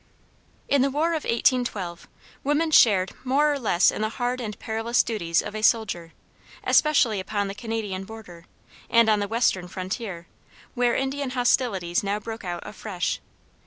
In the War of 1812, woman shared more or less in the hard and perilous duties of a soldier, especially upon the Canadian border, and on the western frontier, where Indian hostilities now broke out afresh.